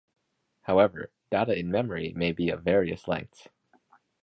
However, data in memory may be of various lengths.